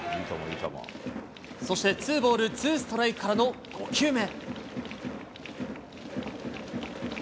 そしてツーボールツーストライクからの５球目。